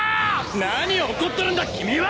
何を怒っとるんだ君は！